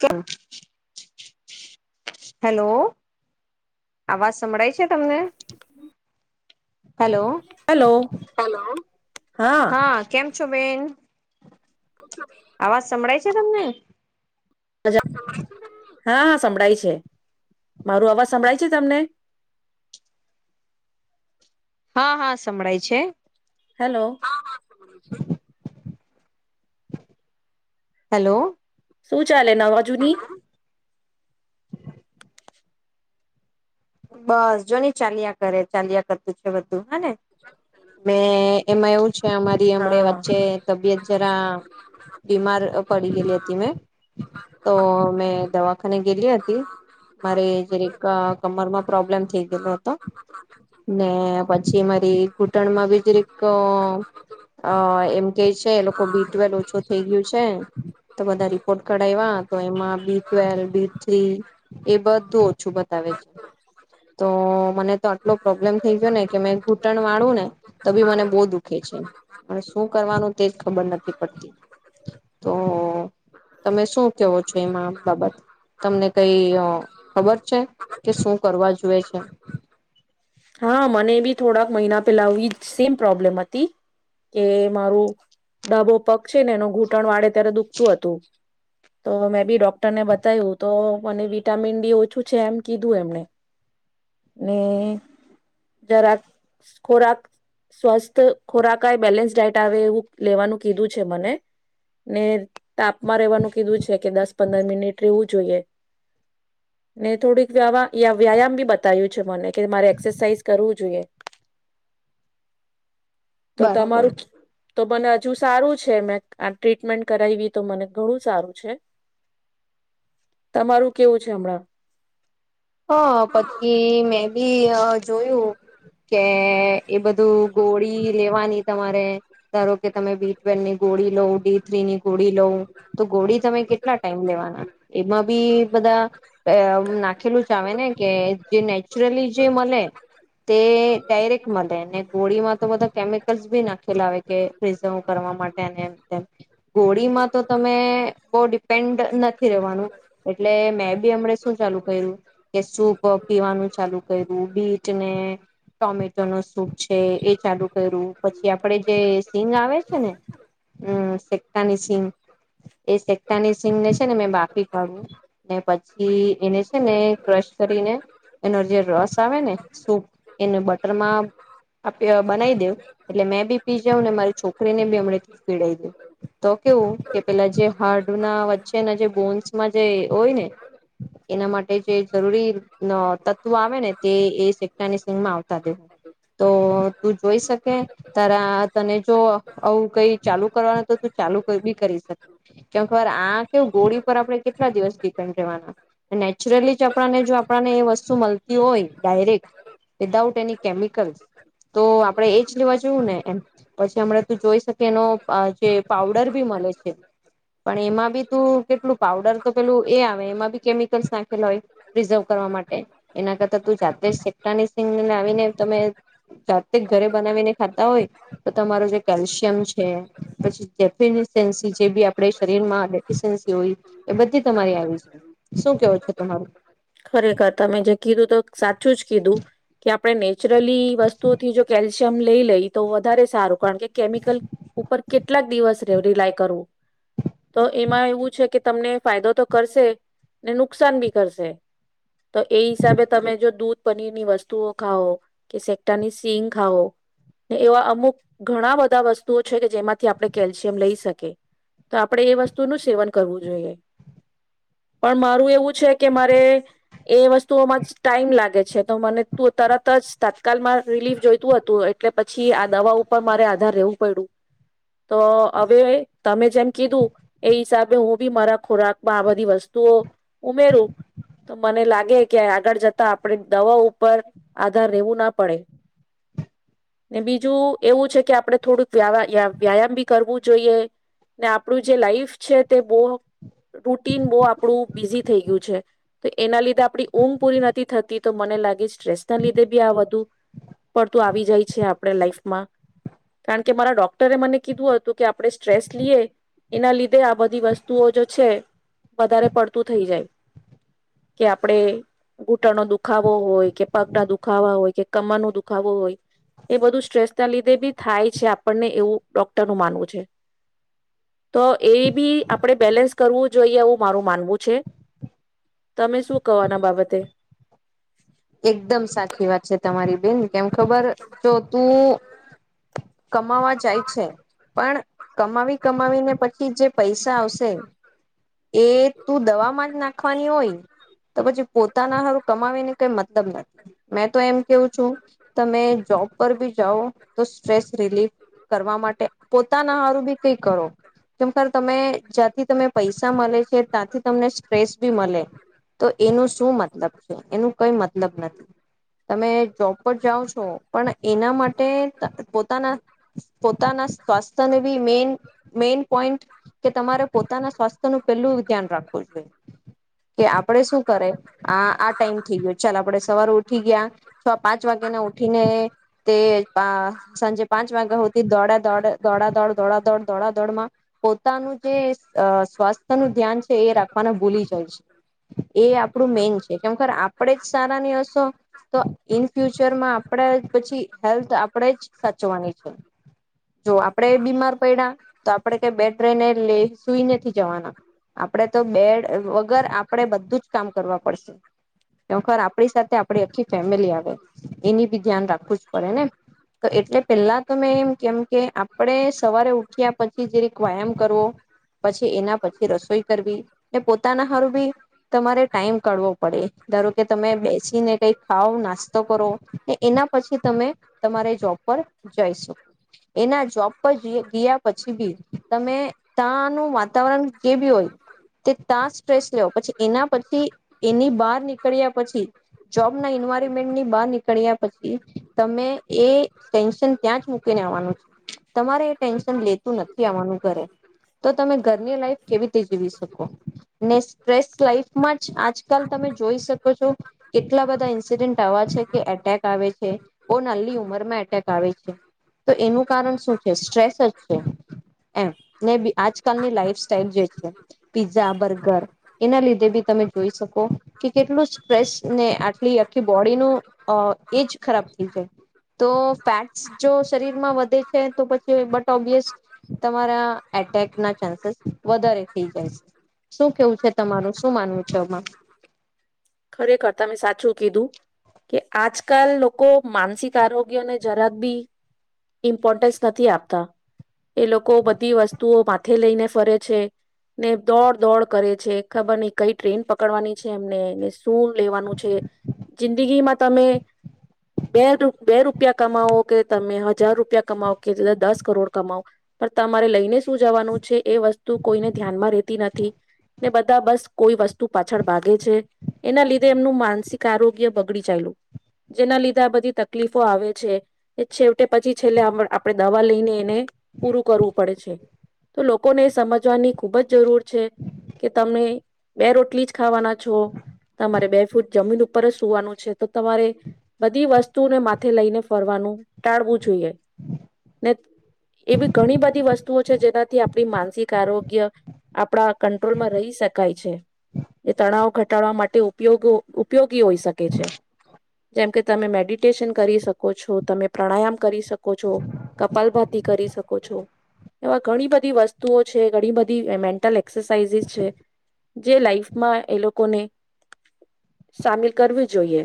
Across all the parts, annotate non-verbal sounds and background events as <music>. કેમ હેલો આવાજ સંભળાય છે? છે તમને હેલો હલો હલો. હા કેમ છો? બેન અવાજ <inaudible> <unintelligible> હા હા સંભળાય છે મારું અવાજ સંભળાય છે તમને? હા હા સંભળાય છે. હેલો. <inaudible> હલો. શું ચાલે નવાજુની? બસ જો ની ચાલ્યા કરે ચાલ્યા કરતું છે બધું. હા ને મે એમાં એવું છે અમારી હમ હા વચ્ચે તબિયત જરા બીમાર પડી ગયેલી હતી મેં તો મેં દવાખાને ગેલી હતી મારે જીરીક <unintelligible> પ્રોબ્લમ થઈ ગયેલો હતો ને પછી ઘૂટણમાં બી જીરીક અ અ એમ કે છે એ લોકો બી ટ્વેલ ઓછો થઇ ગયું છે તો બધા રિપોર્ટ કઢાવ્યા તો એમાં બી ટ્વેલ બી થ્રી એ બધું ઓછું બતાવે છે. તો મને તો આટલો પ્રોબ્લેમ થઈ ગયો ને કે મેં ઘૂંટણ વાળુંને તો બી મને બો દુખે છે અને શું કરવાનું તેજ ખબર નથી પડતી તો તમે શું કેવો છો એમાં બાબત તમને કઈ અ ખબર છે? કે શું કરવા જોઈએ છે હા મને બી થોડાક મહિના પેલા આવી જ સેમ પ્રોબ્લેમ હતી કે મારું ડાબો પગ છે ને એનો ઘૂંટણ વાડે ત્યારે દુઃખ હતું તો મેં બી ડોક્ટરને બતાવ્યું તો મને વિટામિન ડી ઓછું છે એમ કીધું એમને ને જરા ખોરાક સ્વસ્થ ખોરાક બેલેન્સ ડાઈટ આવે એવું લેવાનું કીધું છે મને ને તાપમાં રહેેવાનું કીધું છે કે દસ પંદર મિનિટ રેવું જોઈએ ને થોડીક વ્યા વ્યાયામ બી બતાવ્યું છે મને કે મારે એક્સરસાઇઝ કરવું જોઈએ. તો બરાબર તમારું તો મને હજુ સારું છે મેં આ ટ્રીટમેન્ટ કરાવી તો મને ઘણું સારું છે તમારું કેવું છે હમણાં. હ પછી મે બી અ જોયું. કે એ બધું ગોળી લેવાની તમારે ધારો કે તમે બી ટવેન ની ગોળી લોવ ડી થ્રીની ગોળી લવું તો ગોળી તમે કેટલા ટાઈમ લેવાના એમાં બી બધા અ નાખેલું ચ ને કે જે નેચરલી જે મળે તે ડાયરેક્ટ મળે ને ગોળીમાં તો બધા કેમિકલ્સ બી નાખેલાાવે કે પ્રિઝર્વ કરવા માટે તેમ ગોળીમાં તો તમે બહ ડિપેન્ડ નથી રેવાનું એટલે મે બી હમણે શું ચાલુ કર્યું કે સૂપ પીવાનું ચાલુ કર્યું બીટ ને ટોમેટો ન સૂપ છે એ ચાલુ કર્યું પછી આપણેે જે સિંગ આવે છે ને હમ્મ સેક્ટાની સિંગ એ સેક્ટાની સિંગને છે ને મેં બાફકી કાઢું ને પછી એને છે ને ક્રશ કરીને એનો જે રસ આવે ને સૂપ એને બટરમાં આપ બનાવી દેવ એટલે મેં બી પી જાવને મારી છોકરીને બી હમ થી પીડાઈ દેવ તો કેવું કે પેલા જે હાર્ડના વચ્ચેના જે બોન્સમાં જે હોય ને એના માટે એજ જરૂરી ને તત્વો આવે ને તે એ સેની સિંગમાં આવતા દેવું તો તું જોઈ શકે તારા તને જો આવું કઈ ચાલુ કરવાનું તો તું ચાલુ બી કરી શકે કેમ આ કેવ ગોળી પર આપણે કેટલા દિવસ ડિપેન્ડ રહેવાના નેચુરલી આપણને એ વસ્તુ મળતી હોય ડાયરેક્ટ વિધાઉટ એની કેમિકલ્સ તો આપણેે એ જ લેવા જોયું ને એમ પછી હમણાં તું જોઈ શકી એનો જે પાવડર બી મળે છે પણ એમાં બી તું કેટલું પાવડર તો પેલું એ આવે એમાં બી કેમિકલ્સ નાખેલા હોય પ્રિઝર્વ કરવા માટે એના કરતા તું જાતે સેક્ટાિ લાવીને તમે જાતે ઘરે બનાવીને ખાતા હોય તો તમારુ જે કેલ્શિયમ છે પછી ડફસી જે બી આપણે શરીરમાં ડેફી સેન્સી હોય એ બધી તમારી આવી જાય શું કેવો છો તમારું ખરેખર તમે જે કીધું તો સાચું જ કીધું કે આપણે નેચરલી વસ્તુઓથી જો કેલ્શિયમ લઈ લઈ તો વધારે સારું કારણ કે કેમિકલ ઉપર કેટલાક દિવસ રિલાય કરવું તો એમાં એવું છે કે તમને ફાયદો તો કરશે ને નુકસાન બી કરશે તો એ હિસાબે તમે જો દૂધ પનીરની વસ્તુઓ ખાઓ કે સેક્ટાની સીંગ ખઓ ને એવા અમુક ઘણા બધા વસ્તુઓ છે કે જેમાંથી આપણે કેલ્શિયમ લઈ શકીએ તો આપણે એ વસ્તુનું સેવન કરવું જોઈએ પણ મારું એવું છે કે મારે એ વસ્તુઓમાં જ ટાઈમ લાગે છે તો મને તું તરત જ તાત્કાલમાં રિલીફ જોઈતું હતું એટલે પછી આ દવા ઉપર મારે આધાર રહેેવું પડ્યું તો હવે તમે જેમ કીધું એ હિસાબે હું બી મારા ખોરાકમાં આ બધી વસ્તુઓ ઉમેરું તો મને લાગે કે આગળ જતા આપણે દવા ઉપર આધાર રહેેવું ન પડે ને બીજું એવું છે કે આપણે થોડુંક વ્યા વ્યાયામ બી કરવું જોઈએ ને આપણું જે લાઈફ છે તે બો રૂટીન બો આપણું બિઝી થઈ ગયું છે તો એના લીધે આપણી ઊંઘ પૂરી નથી થતી તો મને લાગે સ્ટ્રેસના લીધે બી આ વધુ પડતું આવી જાય છે આપણે લાઈફમાં કારણ કે મારા ડોક્ટરે મને કીધું હતું કે આપણે સ્ટ્રેસ લઈએ એના લીધે આ બધી વસ્તુઓ જો છે વધારે પડતું થઈ જાય કે આપણેે ઘૂંટણનો દુખાવો હોય કે પગના દુખાવા હોય કે કમરનો દુખાવો હોય એ બધું સ્ટ્રેસ ના લીધે બી થાય છે આપણને એવું ડોક્ટર નું માનવું છે તો એ બી આપણેે બેલેન્સ કરવું જોઈએ એવું મારું માનવું છે તમે શું કહો આના બાબતે એકદમ સાચી વાત છે તમારી બેન કેમ ખબર જો તું કમાવા જાય છે પણ કમાવી કમાવીને પછી જે પૈસા આવશે એ તું દવામાં જ નાખવાની હોય તો પછી પોતાના હારું કમાવીને મતલબ નથી મેં તો એમ કેવું છું તમે જોબ પર બી જાઓ તો સ્ટ્રેસ રિલીફ કરવા માટે પોતાના હારું બી કઈ કરો કેર તમે જ્યાંથી ત પૈસા મળે છે ત્યાંથી તમને સ્ટ્રેસ બી મળે તો એનું શું મતલબ છે એનું કઈ મતલબ નથી તમે જોબ પર જાઓ છો પણ એના માટે પોતાના પોતાના સ્વાસ્થ્યને બી મેન મેઈન પોઈન્ટ કે તમારે પોતાના સ્વાસ્થ્યનું પેલું ધ્યાન રાખવું જોઈએ કે આપણે શું કરે આ આ ટાઈમ ચાલ આપડે સવારે ઉઠી ગયા છ પાંચ વાગ્યા ના ઉઠીને તે બા સાંજે પાંચ વાગ્યા હોતી દોડા દો દોડા દોડ દોડા દોડ દોડા દોડમાં પોતાનું જે અ સ્વાસ્થ્ય નું ધ્યાન છે એ રાખવાનું ભૂલી જાય છે એ આપણું મેન છે કેમ કર આપણે જ સારા નની હશો તો ઈન ફ્યુચરમાં આપણે પછી હેલ્થ આપણેે જ સાચવાની છે જો આપણે બીમાર પડ્યા તો આપણેે ક બે ટ્રેને લે સુઈ નથી જવાના આપડે તો બેડ વગર આપડે બધું જ કામ કરવા પડશે. ખર આપણી સાથે આપણી આખી ફેમિલી આવે એની બી ધ્યાન રાખવું જ પડે ને, તો એટલે પેલા તો મેં એમ કેમ કે આપણે સવારે ઉઠ્યા પછી જેરીક વ્યાયામ કરવો. પછી એના પછી રસોઈ કરવી પોતાના હારું બી તમારે ટાઈમ કાઢવો પડે. ધારો કે તમે બે પછીને કઈ ખાવ નાસ્તો કરો ને એના પછી તમે તમારે જોબ પર જઈ શકો, એના જોબ પર ગીયા પછી બી તમે તા નું વાતાવરણ જે બી હોય તે તાં સ્ટ્રેસ લેવ પછી એના પછી એની બહાર ની... નીકળ્યા પછી જોબ ના ઈન્વાયરમેન્ટ ની બહાર નીકળ્યા પછી તમે એ ટેન્શન ત્યાં જ મૂકીને આવવાનું છે. તમારે એ ટેન્શન લેતું નથી આવવાનું ઘરે તો તમે ઘરની લાઈફ કેવીરીતે જીવી શકો ને સ્ટ્રેસ લાઈફમાં જ આજકાલ તમે જોઈ શકો... કેટલા બધા ઇન્સિડન્ટ આવા છે કે એટેક આવે છે બહુ નાલ્લી ઉંમરમાં એટેક આવે છે તો એનું કારણ શું... સ્ટ્રેસ જ છે. એમ ને આજકાલની લાઈફ સ્ટાઈલ જે છે પીઝા બર્ગર એના લીધે બી તમે જોઈ શકો કે કેટલું... પ્રેસને આટલી આખી બોડીનું અ એજ ખરાબ થઈ જાય તો ફેટ્સ જો શરીરમાં વધે છે, તો પછી બટ ઓબ્વિયસ તમારા એટેક ના ચાન્સેસ વધારે થઈ જાય છે શું કેવું છે તમારું શું માનવું છે આમાં... ખરેખર તમે સાચું કીધું કે આજકાલ લોકો માનસિક... આરોગ્ય ને જરા બી... ઇમ્પોર્ટન્સ નથી આપતા એ લોકો બધી વસ્તુઓ માથે લઈને ફરે છે ને દોડ દોડ કરે છે ખબર નહી કઈ ટ્રેન પકડવાની છે એમનેને... હુ લેવાનું છે. જિંદગીમાં તમે બે રૂપિ બે રૂપિયા કમાવો કે તમે હજાર રૂપિયા કમાવ કેા છેલ્લે દસ કરોડ કમાવ પણ તમારે લઈને શું જવાનું છે... એ વસ્તુ કોઈને ધ્યાનમાં રહેતી નથી. ને બધા બસ કોઈ વસ્તુ પાછળ ભાગે છે. એના લીધે એમનું માનસિક આરોગ્ય બગડી ચાયલું, જેના લીધે આ બધી તકલીફો આવે છે, એ છેવટે પછી છેલ્લે આપણેે દવા લઈને એને પૂરું કરવું પડે છે, તો લોકોને એ સમજવાની ખુબ જ જરૂર... છે કે તમે... બે રોટલી જ ખાવાના છો... તમારે બે ફૂટ જમીન ઉપર જ સુવાનું છે, તો તમારે બધી વસ્તુને માથે લઈને ફરવાનું ટાળવું જોઈએ ને એવી ઘણી બધી વસ્તુઓ છે, જેનાથી આપણી માનસિક આરોગ્ય આપણા કંટ્રોલમાં રહી શકાય છે, એ તણાવ ઘટાડવા માટે... તે ઉપયોગો ઉપયોગી હોઈ શકે છે, જેમ કે તમે મેડિટેશન કરી શકો છો, તમે પ્રાણાયામ કરી શકો છો, કપાલભાતી કરી શકો છો, એવા ઘણી બધી વસ્તુઓ છે ઘણી બધી મેન્ટલ એક્સરસાઇઝસ છે જે લાઈફમાં એ લોકોને... સામેલ કરવી જોઈએ,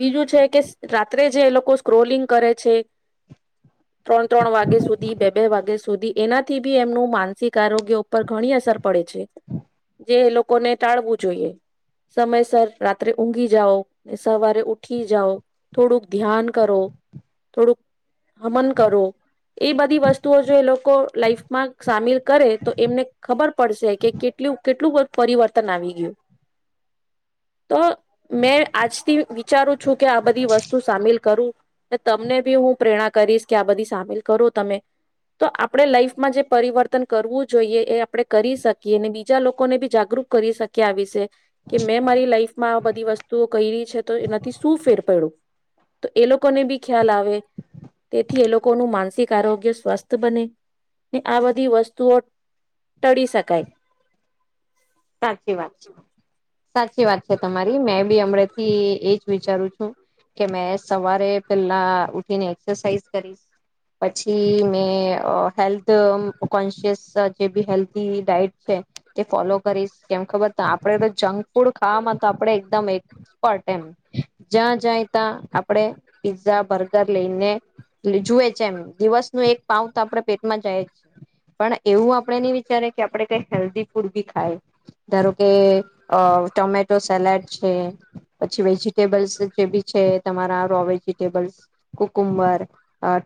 બીજું છે કે રાત્રે જે લોકો સ્ક્રોલિંગ કરે છે... ત્રણ ત્રણ વાગે સુધી બે બે વાગે... સુધી એનાથી બી એમનું માનસિક આરોગ્ય ઉપર ઘણી અસર પડે છે જે એ લોકોને... ટાળવું જોઈએ, સમયસર રાત્રે ઊંઘી જાઓ ને સવારે ઉઠી જાઓ થોડુંક ધ્યાન કરો થોડુંક હમન કરો એ બધી વસ્તુઓ જો એ લોકો લાઈફમાં સામેલ કરે તો એમને ખબર પડશે કે કેટલું કેટલું પરિવર્તન... આવી ગયું તો મેં આજથી વિચારું છું કે આ બધી વસ્તુ સામેલ કરું તમને બી હું પ્રેરણા કરીશ કે આ બધી સામેલ કરો તમે તો આપણે લાઈફમાં જે પરિવર્તન કરવું જોઈએ એ આપણે કરી શકીએ ને બીજા લોકોને બી જાગૃત... કરી શકીયે આ વિષે કે મેં મારી લાઈફમાં આ બધી વસ્તુઓ કયરી છે, તો એનાથી શું ફેર પયડું... તો એ લોકો ને બી ખ્યાલ આવે... તેથી એ લોકોનું માનસિક આરોગ્ય સ્વસ્થ બને ને આ બધી વસ્તુઓ ટળી શકાય. સાચી વાત છે. સાચી વાત છે તમારી મેં બી અમણેથી એજ વિચારું છું કે મેં સવારે પેલા ઉઠીને એક્સરસાઇઝ કરીશ, પછી મે હેલ્થ કોન્શિયસ જે બી હેલ્ધી ડાયટ છે તે ફોલો... કરીશ કેમ ખબર તો આપડે તો ચંગ ફૂડ ખાવામાં તો આપડે એકદમ એક... પડ એમ જ્યાં જાય ત્યાં આપડે પીઝા બર્ગર લેઈને... એટ જુએ જ એમ દિવસ નો એક પાઉ તો આપણે પેટમાં જાય જ... પણ એવું આપણેનઈ વિચારે કે આપડે કઈ હેલ્ધી ફૂડ બી ખાય ધારો કે અ ટમેટો સેલેડ છે, પછી વેજીિટેબલ્સ સૂટે બી છે, તમારા રો વેજીિટેબલ્સ કુકુંબર,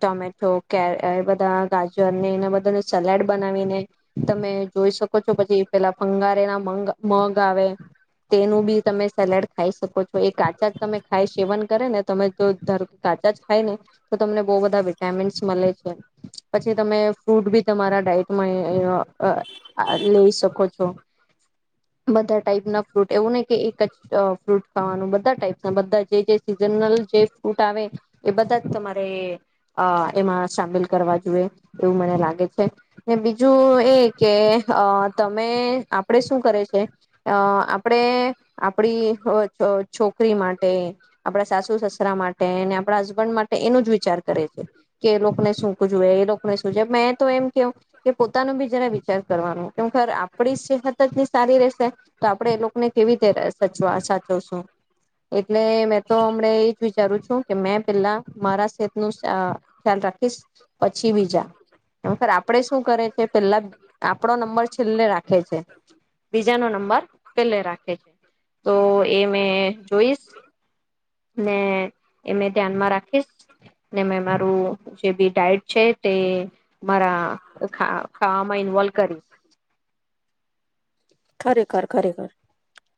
ટમેટો, કેર, બધા ગાજર ને એના બધાને સેલેડ બનાવીને તમે જોઈ શકો છો પછી પેલા અંગારેના મંગ, મગ આવે તેનું બી તમે સેલેડ ખાઈ સકો છો, એ કાચા જ તમે ખાય શેવન કરે ને તમે, જો ધા કે કાચા જ ખાય ને તો તમને બહુ બધા વિટામિન્સ મલે છે. પછી તમે ફ્રૂટ બી તમારા ડાયટમાં એ, અ, આ, લઈ શકો છો. બધા ટાઈપ ના ફ્રૂટ, એવું નહિં કે એક જ ફ્રૂટ ખાવાનું, બધા ટાઈપના, બધા જેજે સીઝનલ, જે ફ્રૂટ આવે, એ બધા જ તમારે એમાં સામેલ કરવા જોઈએ, એવું મને લાગે છે. ને બીજું એ કે અ, તમે હવે, આપડ શું કરે છે? અ, આપડે, આપડી અ, અ છોકરી માટે, આપડા સાસુ સસરા માટે ને આપણા હસબન્ડ માટે, એનું જ વિચ ચાર કરે છે કે એ લોકોને શુંક જોવે, એ લોકોને શું જો, મેં તો એમ કેઉં પોતાનો બી જરા વિચાર કરવાનું કે, હું <unintelligible> આપડી સેહત જ ની સારી રેસે, તો આપડે એ લોકને કેવી રીતે સચવા, સાચવસું? એટલે મેં તો હમડે ઈ જ વિચારું છું કે મેં પેલા, મારા સેહતનું શ, અ, ખ્યાલ રાખીસ, પછી બીજા જા, પર આપડે શું કરે છે પેલા? આપડો નંબર છેલ્લે રાખ ખે છે, બીજાનો નંબર પલે રાખે છે, તો એ મેં જોઈસ, ને એમે ધ્યાનમાં રાખીસ, ને મેં મારું જે બી ડાયટ છે, તે મારા ખા, ખાવામાં ઇન્વોલ્વ કરીશ. ખરેખર ખરેખર